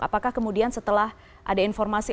apakah kemudian setelah ada informasi